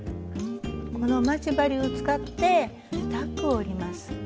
この待ち針を使ってタックを折ります。